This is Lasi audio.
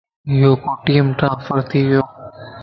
ايو ڪوئيٽيم ٽرانسفرٿي ويو